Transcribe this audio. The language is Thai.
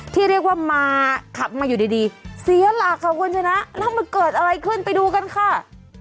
ที่เรียกว่ามาขับมาอยู่ดีเสียหลักค่ะคุณชนะแล้วมันเกิดอะไรขึ้นไปดูกันค่ะ